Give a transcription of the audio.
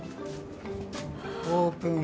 オープン。